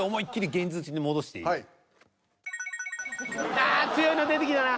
ああ強いの出てきたな。